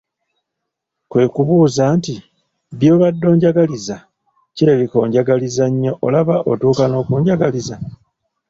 kwe kubuuza nti, “by’obadde onjagaliza, kirabika onjagala nnyo olaba otuuka n’okunjagaliza!